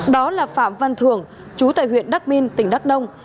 đó là phạm văn thường chú tại huyện đắk minh tỉnh đắk đông